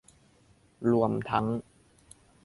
รวมทั้ง